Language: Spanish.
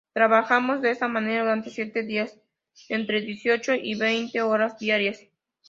Trabajamos de esta manera durante siete días, entre dieciocho y veinte horas diarias.